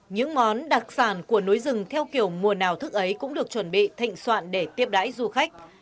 những món đặc sản của núi rừng theo kiểu mùa nào thức ấy cũng được chuẩn bị thịnh soạn để tiếp đáy du khách